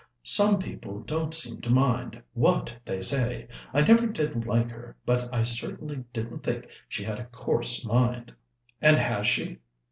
"Some people don't seem to mind what they say. I never did like her, but I certainly didn't think she had a coarse mind." "And has she?"